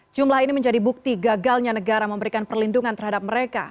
jumlah ini menjadi bukti gagalnya negara memberikan perlindungan terhadap mereka